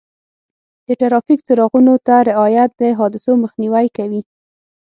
د ټرافیک څراغونو ته رعایت د حادثو مخنیوی کوي.